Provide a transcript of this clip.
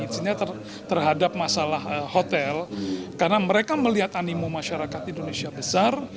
terhadap masalah hotel karena mereka melihat animo masyarakat indonesia besar